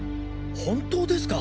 本当ですか？